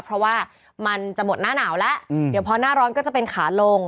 เพราะว่ามันจะหมดหน้าหนาวแล้วเดี๋ยวพอหน้าร้อนก็จะเป็นขาลง